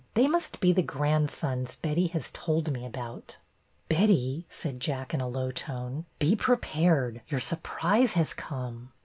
They must be the grandsons Betty has told me about." Betty," said Jack, in a low tone, be pre pared. Your surprise has come."